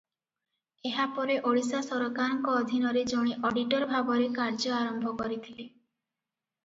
ଏହାପରେ ଓଡ଼ିଶା ସରକାରଙ୍କ ଅଧୀନରେ ଜଣେ ଅଡିଟର ଭାବରେ କାର୍ଯ୍ୟ ଆରମ୍ଭ କରିଥିଲେ ।